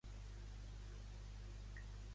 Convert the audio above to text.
Quantes vegades ha competit amb la selecció espanyola?